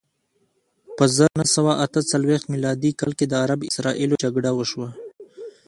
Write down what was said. په زر نه سوه اته څلویښت میلادي کال کې د عرب اسراییلو جګړه وشوه.